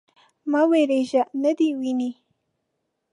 _مه وېرېږه. نه دې ويني.